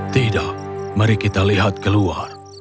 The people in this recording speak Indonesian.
tidak mari kita lihat keluar